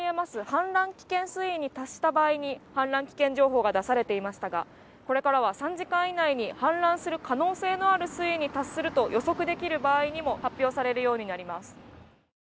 氾濫危険水位に達した場合に氾濫危険情報が出されていましたが、これからは３時間以内に氾濫する可能性のある水位に達すると予測できる場合にも発表されるようになります。